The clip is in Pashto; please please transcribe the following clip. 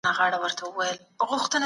سياسي څارنه د حکومتي چارو روڼتيا زياتوي.